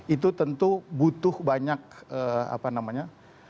itu tentu butuh banyak apa namanya